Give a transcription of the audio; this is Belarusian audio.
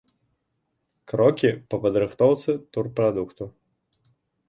Крокі па падрыхтоўцы турпрадукту.